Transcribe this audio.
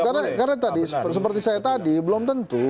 karena tadi seperti saya tadi belum tentu